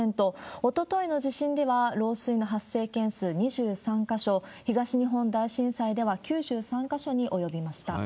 おとといの地震では漏水の発生件数２３か所、東日本大震災では９３か所に及びました。